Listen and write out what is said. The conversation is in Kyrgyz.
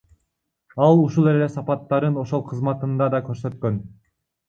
Ал ушул эле сапаттарын ошол кызматында да көрсөткөн.